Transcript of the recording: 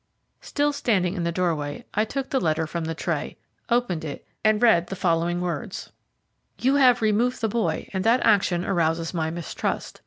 Still standing in the doorway, I took the letter from the tray, opened it, and read the following words: "You have removed the boy and that action arouses my mistrust.